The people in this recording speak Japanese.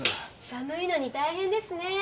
寒いのに大変ですねぇ。